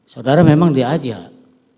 saudara memang diajak